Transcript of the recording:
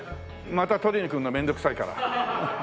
また撮りに来るの面倒くさいから。